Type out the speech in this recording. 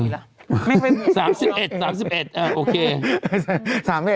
ไม่๓๑โอเค